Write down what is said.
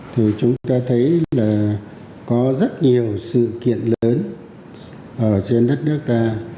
thì chúng ta thấy là có rất nhiều sự kiện lớn ở trên đất nước ta